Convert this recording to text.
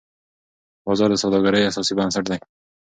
بازار د سوداګرۍ اساسي بنسټ دی.